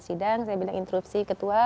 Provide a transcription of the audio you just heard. sidang saya bilang interupsi ketua